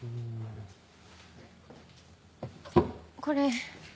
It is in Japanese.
これ。